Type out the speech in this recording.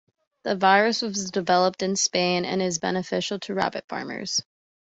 The virus was developed in Spain, and is beneficial to rabbit farmers.